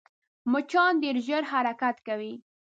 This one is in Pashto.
مچان ډېر ژر حرکت کوي